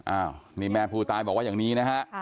อ้าวนี่แม่ผู้ตายบอกว่าอย่างนี้นะฮะ